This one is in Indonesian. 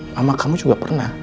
mama kamu juga pernah